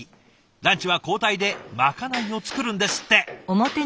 ランチは交代でまかないを作るんですって。